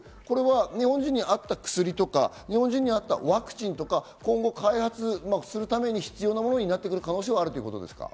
日本人に合った薬とか日本人に合ったワクチンとかを今後、開発するために必要なものになっていく可能性はあるということですか？